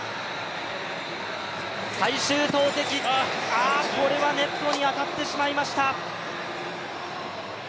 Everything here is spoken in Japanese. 最終投てき、これはネットに当たってしまいました。